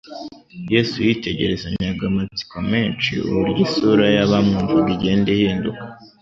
Yesu yitegerezanyaga amatsiko menshi uburyo isura y'abamwumvaga igenda ihinduka.